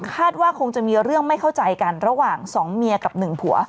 คาดว่าคงจะมีเรื่องไม่เข้าใจกันระหว่างสองเมียกับหนึ่งผัว